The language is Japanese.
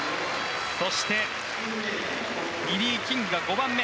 そして、リリー・キングが５番目。